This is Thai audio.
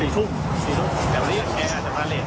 มารอ๔ทุ่ม